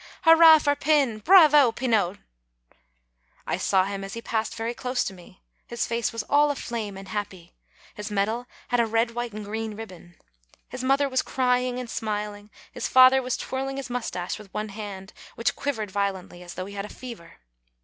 hurrah for Pin! bravo, Pinot!" I saw him as he passed very close to me. His face was all aflame and happy ; his medal had a red, white, and green ribbon. His mother was cry ing and smiling; his father was twirling his moustache with one hand, which quivered violently, as though he had a fever.